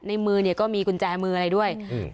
ในมือเนี่ยก็มีกุญแจมืออะไรด้วยอืม